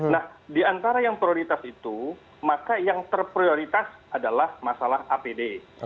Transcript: nah di antara yang prioritas itu maka yang terprioritas adalah masalah apd